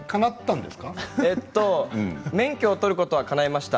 免許を取ることはかないました